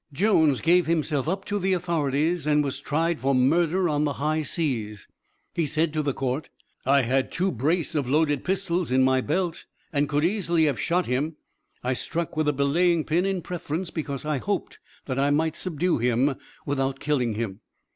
Jones gave himself up to the authorities and was tried for murder on the high seas. He said to the court: "I had two brace of loaded pistols in my belt, and could easily have shot him. I struck with a belaying pin in preference, because I hoped that I might subdue him without killing him."